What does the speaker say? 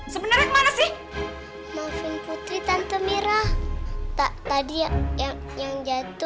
sebenarnya kemana sih maafin putri tante mira tak tadi yang jatuh